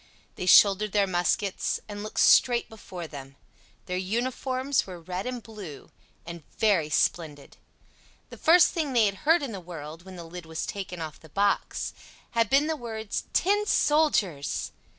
They shouldered their muskets, and looked straight before them; their uniform was red and blue, and very splendid. The first thing they had heard in the world, when the lid was taken off the box, had been the words "Tin soldiers!"